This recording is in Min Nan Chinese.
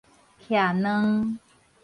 徛卵